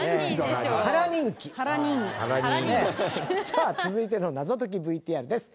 さあ続いての謎解きＶＴＲです。